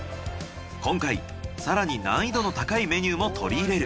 今回更に難易度の高いメニューも取り入れる。